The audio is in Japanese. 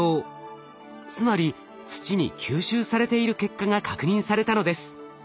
つまり土に吸収されている結果が確認されたのです。